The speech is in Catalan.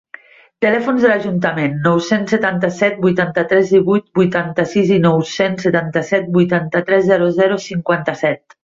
Telèfons de l'Ajuntament: nou-cents setanta-set vuitanta-tres divuit vuitanta-sis i nou-cents setanta-set vuitanta-tres zero zero cinquanta-set.